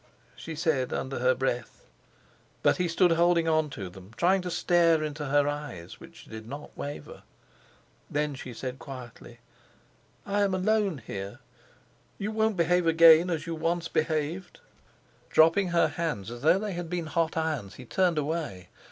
she said under her breath. But he stood holding on to them, trying to stare into her eyes which did not waver. Then she said quietly: "I am alone here. You won't behave again as you once behaved." Dropping her hands as though they had been hot irons, he turned away.